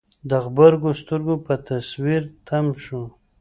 د غبرګو سترګو په تصوير تم شو.